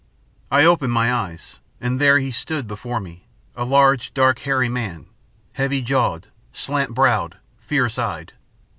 I opened my eyes, and there he stood before me, a large, dark, hairy man, heavy jawed, slant browed, fierce eyed.